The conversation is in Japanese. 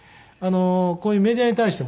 こういうメディアに対してもですね